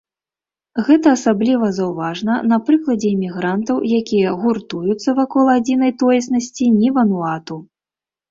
Гэта асабліва заўважна на прыкладзе эмігрантаў, якія гуртуюцца вакол адзінай тоеснасці ні-вануату.